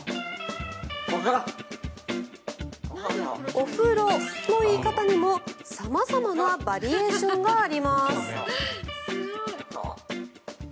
お風呂の言い方にも様々なバリエーションがあります。